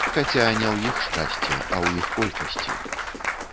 Хаця не ў іх шчасце, а ў іх колькасці.